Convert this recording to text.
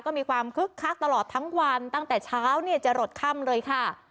ก็มีความคึกคักตลอดทั้งวันตั้งแต่เช้าเนี่ยจะหลดค่ำเลยค่ะ